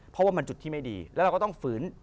เพราะว่ามันจุดที่ไม่ดีแล้วเราก็ต้องฝืน